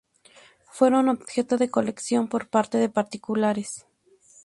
Fueron objeto de colección por parte de particulares.